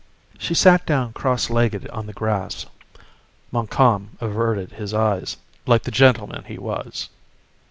She sat down cross legged on the grass. Montcalm averted his eyes, like the gentleman he was.